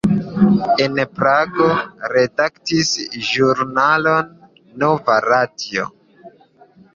En Prago redaktis ĵurnalon "Nova radio".